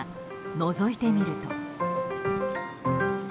のぞいてみると。